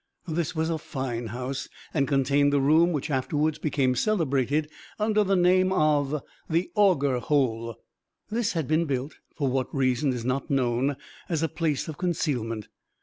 This was a fine house and contained the room which afterwards became celebrated under the name of the "Auger Hole." This had been built, for what reason is not known, as a place of concealment.